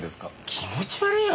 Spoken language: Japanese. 気持ち悪いよ。